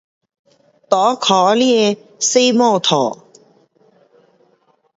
骑脚车，坐 motor.